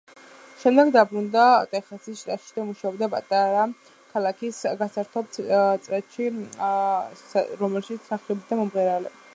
შემდეგ დაბრუნდა ტეხასის შტატში და მუშაობდა პატარა ქალაქის გასართობ წრეში, როგორც მსახიობი და მომღერალი.